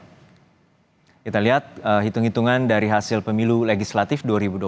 kita lihat hitung hitungan dari hasil pemilu legislatif dua ribu dua puluh